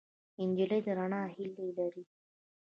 نجلۍ د رڼا هیلې لري.